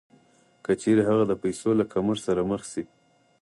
که چېرې هغه د پیسو له کمښت سره مخ شي